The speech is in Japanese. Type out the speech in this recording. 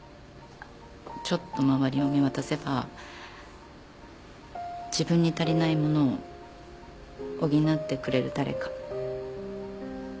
ちょっと周りを見渡せば自分に足りないものを補ってくれる誰か。